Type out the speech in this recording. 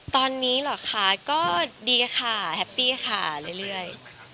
ตอนนี้เหรอคะก็ดีค่ะแฮปปี้ค่ะเรื่อย